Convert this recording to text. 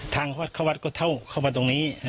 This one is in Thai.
ทางเข้าวัดก็เข้ามาตรงนี้